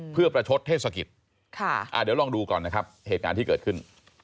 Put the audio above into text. เพื่อประชดเทศกิจเดี๋ยวลองดูก่อนนะครับเหตุการณ์ที่เกิดขึ้น